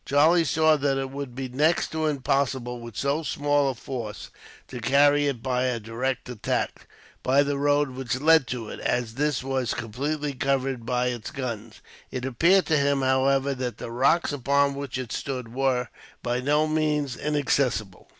Charlie saw that it would be next to impossible, with so small a force, to carry it by a direct attack, by the road which led to it, as this was completely covered by its guns. It appeared to him, however, that the rocks upon which it stood were, by no means, inaccessible.